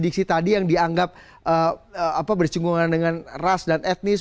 sediksi tadi yang dianggap bercunggungan dengan ras dan etnis